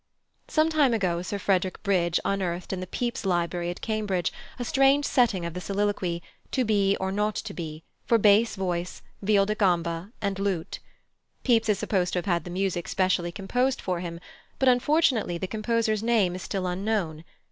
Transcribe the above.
Some time ago Sir Frederick Bridge unearthed in the Pepys Library at Cambridge a strange setting of the soliloquy "To be, or not to be," for bass voice, viol de gamba, and lute. Pepys is supposed to have had the music specially composed for him, but, unfortunately, the composer's name is still unknown.